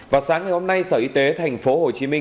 vào sáng ngày hôm nay sở y tế tp hcm